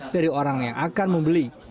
dari orang yang akan membeli